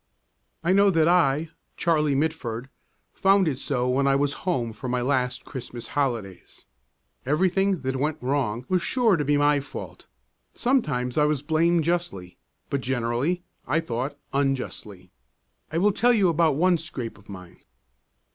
I know that I, Charley Mitford, found it so when I was home for my last Christmas holidays. Everything that went wrong was sure to be my fault; sometimes I was blamed justly, but generally, I thought, unjustly. I will tell you about one scrape of mine.